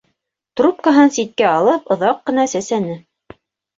Трубкаһын ситкә алып, оҙаҡ ҡына сәсәне.